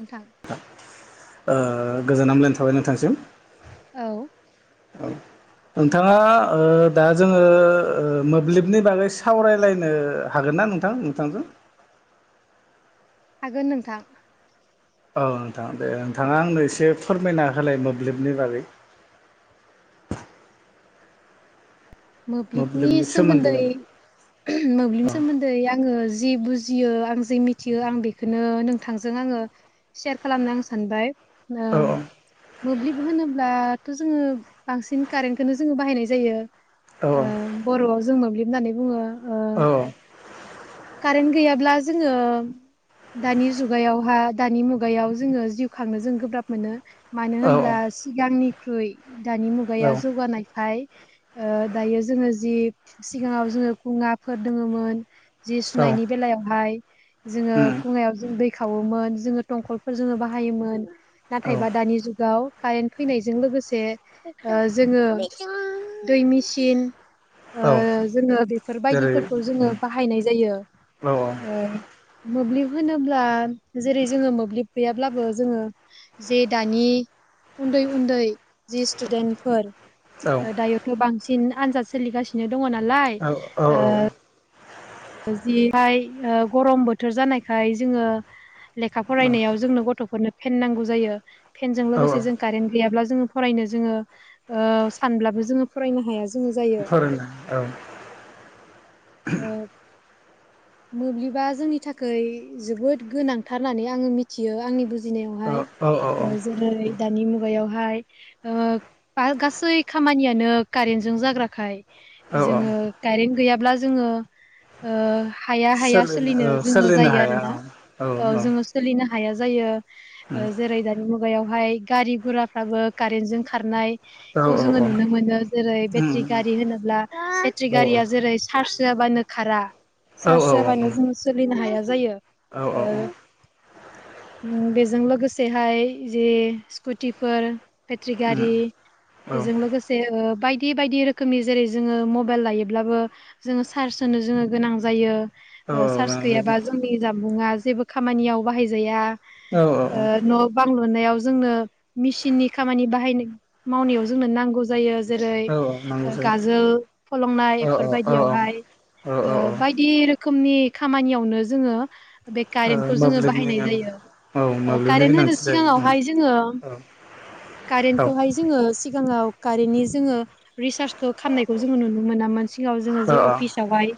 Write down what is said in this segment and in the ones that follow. नोंथां ओ गोजोन हामलायनाय थाबाय नोंथांसिम औ औ नोंथाङा ओ दा जोङो ओ मोब्लिबनि बागै सावरायलायनो हागोन ना नोंथां नोंथांजों हागोन नोंथां औ नोंथां दे नोंथाङा आंनो एसे फोरमायना होलाय मोब्लिबनि बागै [inaudible] मोब्लिबनि सोमोन्दै मोब्लिबनि औ सोमोन्दै आङो जि बुजियो आं जि मिथियो आं बेखोनो नोंथांजों आङो सेयार खालामनो आं सानबाय नों औ मोब्लिब होनोब्लाथ' जोङो बांसिन कारेन्टखोनो जोङो बाहायनाय जायो औ ओ बर'आव जों मोब्लिब होननानै बुङो ओ औ कारेन्ट गैयाब्ला जोङो दानि जुगायावहा दानि मुगायाव जोङो जिउ खांनो जों गोब्राब मोनो। मानो औ होनब्ला सिगांनिख्रुइ दानि मुगाया औ जौगानायखाय ओ दायो जोङो जि सिगाङाव जोङो खुङाफोर दङोमोन जि औ सुनायनि बेलायावहाय जोङो उम खुङायाव जों दै खावोमोन जोङो दंखलखौ‌ जोङो बाहायोमोन औ नाथायबा दानि जुगाव कारेन्ट फैनायजों लोगोसे जोङो दै मेचिन ओ औ जोङो जेरै बेफोरबायदिफोरखौ जोङो बाहायनाय जायो औ ओ मोब्लिब होनोब्ला जेरै जोङो मोब्लिब गैयाब्लाबो जोङो जे दानि उन्दै, उन्दै, जि स्टुदेन्टफोर औ दायोथ' बांसिन आनजाद सोलिगासिनो दङ नालाय औ औ ओ जिहाय ओ गरम बोथोर जानायखाय जोङो लेखा फरायनायाव जोंनो गथ'फोरनो फेन नांगौ जायो, फेनजों औ औ लोगोसे जों कारेन्ट गैयाब्ला जों फरायनो जोङो ओ सानब्लाबो जोङो फरायनो हाया जायो फोरोंनो औ ओ मोब्लिबा जोंनि थाखाय जोबोद गोनांथार होननानै आंङो मिथियो आंनि बुजि जिनायावहाय औ औ जेरै दानि मुगायाव हाय ओ गासै खामानियानो कारेन्टजों जाग्राखाय औ औ जोङो कारेन्ट गैयाब्ला जोङो ओ हाया हाया सोलिनो औ जोङो सोलिनो जायो आरो हाया औ ना औ ओ जोङो सोलिनो हा हाया जायो ओ जेरै दानि मुगायावहाय गारि गुराफ्राबो कारेन्ट जों खारनाय औ खौ जोङो नुनो मोनो जेरै बेटारि गारि होनोब्ला बेट गारिया जेरै सार्ज होआबानो खारा चार्ज होआबानो जोङो सोलिनो हाया जायो। औ औ औ। उम्म बेजों लोगोसेहाय जे स्कुटिफोर पेट्रि गारि नंगौ बेजों औ लोगोसे ओ बाय बेबायदि रोखोमनि जेरै जोङो मबाइल लायोब्लाबो जोङो चार्ज होनो जोङो गोनां जायो औ ओ चार्ज गैयाबा जोंनि जानबुंङा जेबो खामानियाव बाहायजाया। ओ न' बां लुनायाव जोंनो मेसिन नि खामानि बाहाय मावनायाव जोंनो नांगौ जायो। जेरै औ नांगौ जायो गाजोल फलंनाय औ औ बेफोरबायदियावहाय औ औ ओ बायदि रोखोमनि खामानियावनो जोङो बे ओ कारेन्टखौ जोङो मोब्लिबनि बाहायनाय औ जायो। मोब्लिबनि कारेन्ट होनो गोनांथि जायो औ सिगाङावहाय जोङो औ कारेन्टखौहाय जोङो सिगाङाव कारेन्टनि जोङो रिसार्जखौ खालामनाय जोङो नुनो मोनामोन सिगाङाव जोङो जे औ अफिसावहाय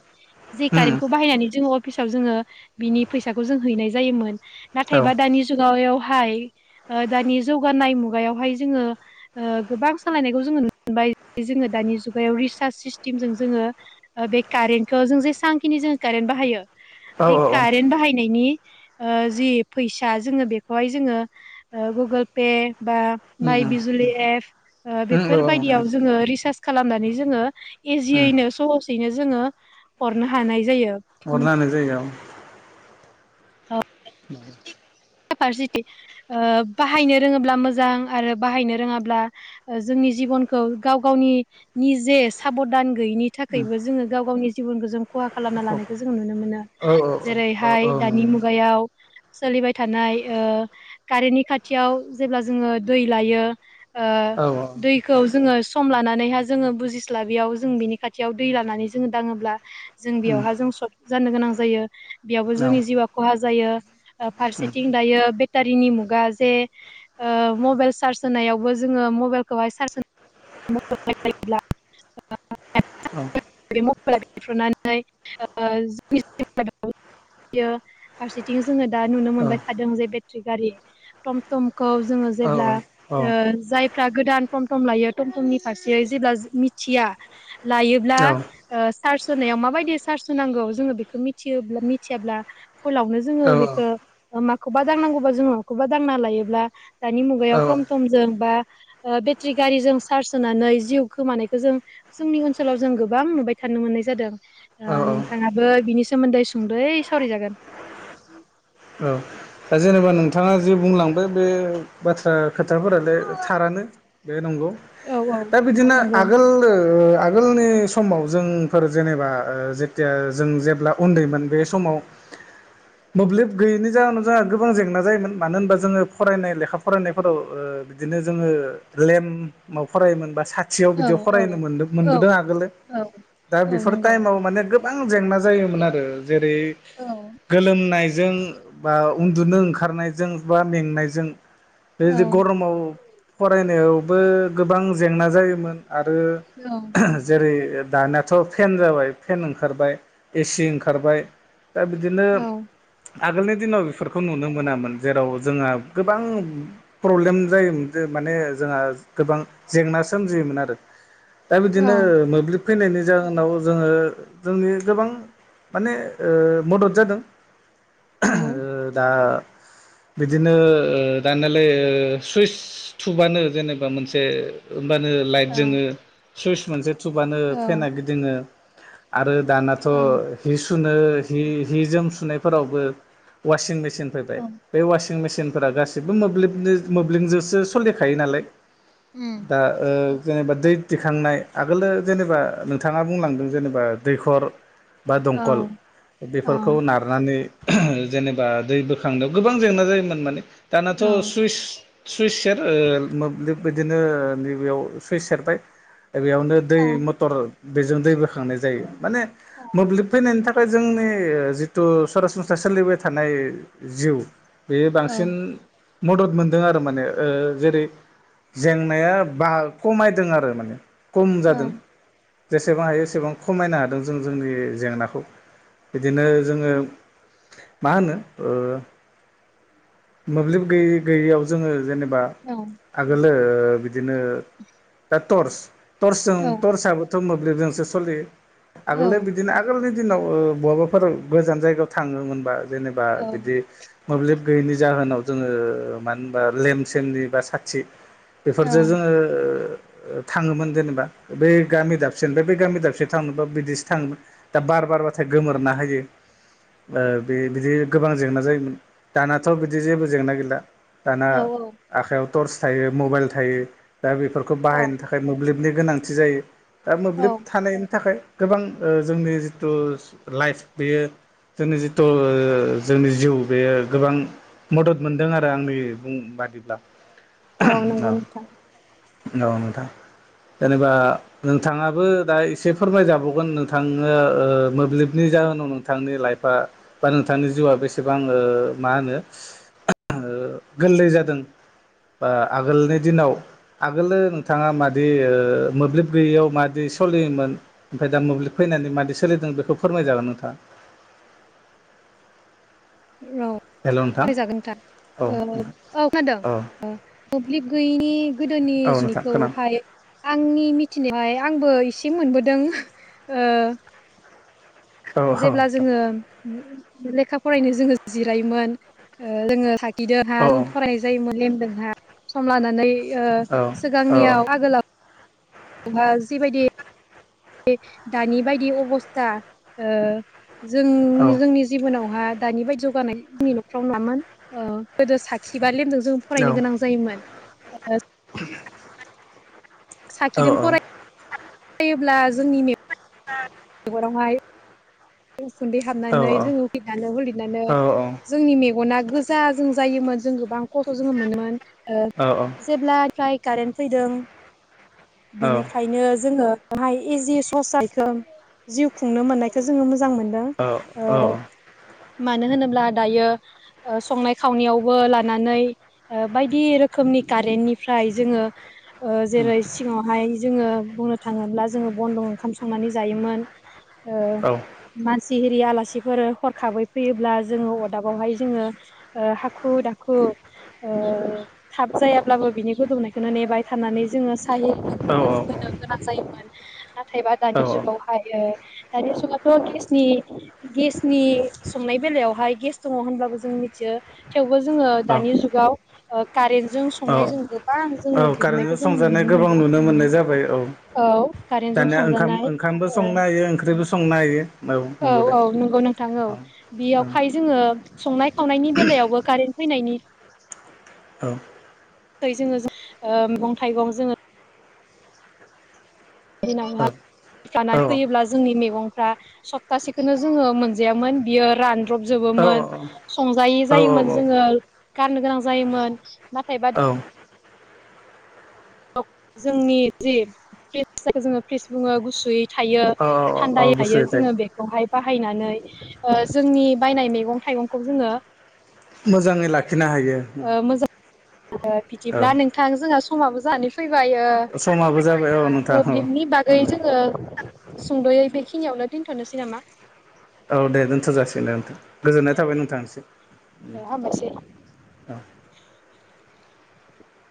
जे कारेन्टखौ बाहायनानै जोङो फिसाव जोङो बिनि फैसाखौ जों हैनाय जायोमोन नाथायबा दानि जुगायाव हाय ओ दानि जौगानाय मुगायावहाय जोङो ओ गोबां सोलायनायखौ जोङो [inaudible] जोङो दानि जुगायाव रिसार्च सिस्टेमजों जोङो बे कारेन्टखौ जों जेसांखिनि जोङो कारेन्ट बाहायो औ बे औ कारेन्ट बाहायनायनि ओ जि फैसा जोङो बेखौहाय जोङो ओ गुगोल पे बा माइ बिजुलि एप हरनो बेफोरबायायदियाव जोङो रिसार्च खालामनानै जोङो इजियैनो सहसैनो जोङो हरनो हानाय जायो। अरनो उम हानाय जायगायाव [unintelligible] बाहायनो रोङोब्ला मोजां आरो बाहायनो रोङाब्ला ओ जोंनि जिबनखौ गाव गावनि निजे साबधान गैयिनि थाखायबो जोङो गाव गावनि जिबनखौ जों खहा औ खालामना लानायखौ जों नुनो मोनो औ औ जेरैहाय दानि मुगायाव सोलिबाय थानाय ओ कारेन्टनि खाथियाव जेब्ला जोङो दै लायो ओ दैखौ जोङो सम लानानैहा जोङो बुजिस्ला बेयाव जों बिनि खाथियाव दै लानानै जोङो दाङोब्ला जों औ बेयावहा जों सक जानो गोनां जायो। बेयावबो औ औ जोंनि जिउआ खहा जायो ओ औ फारसे थिं दायो बेटारिनि मुगा जे ओ मबाइल चार्ज होनायावबो जोंङो मबाइलखौहाय [unintelligible] [unintelligible] बियो फारसेथिं जोङो दा नुनो मोनबाय थादों जे बेटारि गारि टमटमखौ जोङो औ जेब्ला औ ओ जायफ्रा गोदान थम थम लायो थम थमनि फारसे जेब्ला मिथिया लायोब्ला ओस चार्ज होनायाव माबायदि चार्ज होनांगौ जोङो बेखौ मिथियोब्ला मिथियाब्ला फलावनो जोङो बेखौ माखौबा दांनांगौबा जोङो माखौबा दांना लायोब्ला दानि मुगायाव थम थमजों बा ओ बेटारि गारिजों चार्ज होनानै जिउ खोमानायखौ जों जोंनि ओनसोलाव जों गोबां नुबाय थानो मोननाय जादों। दों ओ नोंथाङाबो बिनि सोमोन्दै सुंद'यै सावराय जागोन। दा जेनेबा नोंथाङा जे बुंलांबाय बे बाथ्रा खोथाफोरालाय थारानो बे नंगौ औ औ दा बिदिनो नंगौ। आगोल आगोलनि समाव जोंफोर जेनेबा ओ जेथिया जों जेब्ला उन्दैमोन बे समाव [inaudible] मोब्लिब गैयिनि जाहोन जोंहा गोबां जेंना जायोमोन मानो होनबा जोङो फरायनाय लेखा फरायनायफोराव ओ बिदिनो जोङो लेम्फ ओम माव फरायोमोन बा साथियाव औ बिदियाव औ फरायनो मोनदो औ मोनबोदों आगोलो औ दा औ बेफोर नंगौ। टाइमाव माने गो बां जेंना जायोमोन आरो जेरै औ गोलोमनायजों बा उन्दुनो ओंखारनायजों बा मेंनायजों औ बेजि गरमाव फरायनायावबो गोबां जेंना जायोमोन आरो औ जेरै दानियाथ' फेन जाबाय फेन ओंखारबाय एसि ओंखारबाय। दा बिदिनो औ आगोलनि दिनाव बेफोरखौ नुनो मोनामोन जेराव जोंहा गोबां प्रब्लेम जायोमोन जे माने जोंहा गोबां जेंना सोमजियोमोन आरो। [inaudible] दा बिदिनो मोब्लिब फैनायनि जाहोनाव जोङो जोंनि गोबां माने ओ मदद जादों नंगौ। ओ दा [inaudible] बिदिनो ओ दानियालाय ओ सुइस थुबानो जेनेबा मोनसे होमबानो लाइट औ जोङो सुइस मोनसे थुबानो औ फेेना गिदिङो। आरो दानाथ' औ हि सुनो हि हि जोम सुनायफोरावबो वासिं मे सिन फैबाय बे वासिं मेचिन फोर गासिबो मोब्लिब मोब्लिबजोंसो सलिखायो नालाय। उम दा ओ जेनेबा दै दिखांनाय आगोलो जेनेबा नोंथाङा बुंलांदों जेनेबा दैखर बा औ दंखल औ बेफोरखौ नारनानै जेनेबा दै बोखांनायाव गोबां जेंना जायोमोन माने दानाथ' औ सुइस सुइस सेर ओ मोब्लिब बिदिनो नैबेयाव सुइस सेरबाय। बेयावनो दै औ मथर बेजों दै बोखांनाय जायो माने मोब्लिब फैनायनि थाखाय फ्राय जोंनि जिथु सरासनस्रा सोलिबाय थानाय जिउ बेयो बांसिन मदद मोनदों आरो माने ओ जेरै जेंनाया बाहो खमायदों आरो माने खम औ जादों। जेसेबां हायो एसेबां खमायनो हादों जों जोंनि जेंनाखौ। बिदिनो जोङो मा होनो ओ मोब्लिब गै गैयियाव जोङो जेने बा आगोलो बिदिनो दा टर्स टर्चजों टर्साबोथ' मोब्लिबजोंसो सलियो औ आगोलो बिदिनो आगोल दिनाव ओ बहाबाफोर गोजान जायगायाव थाङोमोनबा जेनेबा बिदि मोब्लिब गैयैनि जाहोनाव जोङो मानो होनबा लेम सेमनि बा साथि बेफोरजों जोङो थाङोमोन जेनेबा बै गामि दाबसेनिफाय बै गामि दाबसे थांनोबा बिदिसो थाङोमोन दा बार बारबाथाय गोमोरना होयो ओ बे बिदि गोबां जेंना जायोमोन दानाथ' बिदि जेबो जेंना गैला दाना आखायाव टर्स थायो मबाइल थायो। दा बेफोरखौ औ बाहायनो थाखाय मोब्लिबनि गोनांथि जायो दा मोब्लिब थानायनि थाखाय। गोबां ओ जोंनि जितु लाइफ बेयो जोंनि जितु ओ जोंनि जिउ बेयो गोबां मदद मोनदों आरो आंनि बुं बादिब्ला औ नंगौ नोंथां औ नोंथां जेनेबा नोंथाङाबो दा इसे फोरमायजाबावगोन नोंथां ओ ओ मोब्लिबनि जाहोनाव नोंथांनि लाइफआ बा नोंथांनि जिउआ बेसेबां ओ मा होनो ओ गोरलै जादों बा आगोलनि दिनाव आगोलो नोंथाङा मादि ओ मोब्लिब गैयियाव मादि सलियोमोन ओमफाय दा मोब्लिब फै नायनानै मादि सोलिदों बेखौ फोरमाय जागोन नोंथाङा [inaudible] औ हेल' [unintelligible] नोंथां औ ओ औ खोनादों औ मोब्लिब गैयिनि गोदोनि औ नोंथां खोना जुनिखौहाय आंनि मिथिनायावहाय आंबो एसे मोनबोदों ओ औ जेब्ला जोङो लेखा फरायनो जोङो जिरायोमोन ओ जोङो सा औ [unintelligible] जों फरायनाय जायोमोन लेमदोंहा सम लानानै ओ औ औ सिगांनियाव आगोलाव हा जिबायदि दानि बायदि अबस्था ओ औ जोंनि-जोंनि जिबनाव हा दानि बाइदि जौगानाय जोंनि नखराव नुवामोन ओ गोदो साखि बा लेमजों जोङो फरायनो गोनां जायोमोन ओ [inaudible] औ साखिदों औ फराय ब्ला जोंनि मे गनावहाय उखुन्दै हाबनानै जोङो [unintelligible] जोंनि मेगना गोजा जों जायोमोन जों गोबां [unintelligible] जोङो मोनोन ओ औ जेब्ला ट्रायक कारेन्ट फैदों औ बिनिफ्रायनो जोङो [unintelligible] जिउ खुंनो मोननायखो जोङो मो जां मोनदों औ औ ओ मानो होनोब्ला दायो ओ संनाय खावनायावबो लानानै ओ बायदि रोखोमनि कारेन्टनिफ्राय जोङो ओ जेरै सिङावहाय जोङो बुंनो थाङोब्ला जोङो बन्दं ओंखाम संनानै जायोमोन ओ मासिहि रि आलासिफोर हरखाबै फैयोब्ला जोङो अदाबावहाय जोङो ओ हाखु दाखु ओ थाब जायाब्लाबो बिनि गोदौनायखोनो नेबाय थानानै जोङो औ [unintelligible] थायबा औ दानि जुगाव हायो दानि जुगाव थ' गेसनि-गेसनि संनाय बेलायावहाय गेस दङ होनब्लाबो जों मिथियो थेवबो जोङो दानि जुगाव ओ। कारेन्टजों ओ संनाय जों गोबां औ जोङो कारेन्टजों दिहुननायखौ जों नुनो संजानाय गोबां मोनदों नुनो मोननाय जाबाय औ औ कारेन्टजों दानिया संजानाय ओंखाम-ओंखामबो ओ संनो हायो ओंख्रैबो संनो हायोे। औ औ नंगौ नोंथां औ औ बेयावखाय जोङो संनाय खावनायनि बेलायावबो कारेन्ट फैनायनि ओ [unintelligible] ओ मेगं थाइगं जोङो दिनावहा जानानै फैयोब्ला जोंनि मेगं फ्रा सप्तासेखोनो जोङो मोनजायामोन बियो रान द्रब औ जोबोमोन संजायि जायोमोन जोङो औ गारनो गोनां जायोमोन। नाथाय बा औ औ [unintelligible] जोंनि जि फ्रिस जोङो फ्रिस बुङो गुसुयै थायो थान्दाय औ थायो गुसुयै जोङो बेखौहाय बाहायनानै ओ जोंनि बायनाय मैगं थाइगंखौ जोङो मोजाङै लाखिनो हायो। आरो औ बिदिब्ला नोंथां जोंहा समाबो जानानै फैब बायो समाबो जाबाय औ नोंथां मोब्लिबनि औ बागै जोङो सुंद'यै बेख खिनियावनो दोनथ'नोसै नामा? औ दे दोनथ' जासिगोन दे नोंथां। गोजोननाय दे थाबाय दे नोंथांनिसिम हामबायसै औ।